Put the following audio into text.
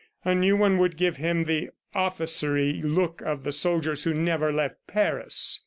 A new one would give him the officery look of the soldiers who never left Paris.